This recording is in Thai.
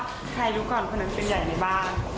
ใครรู้ก่อนคนนั้นเป็นใหญ่ในบ้าน